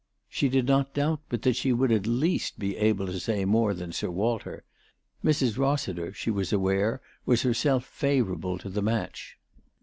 She did not doubt but that she would at least be able to say more than Sir Walter. Mrs. Rossiter, she was aware, was herself favourable to "ihe match.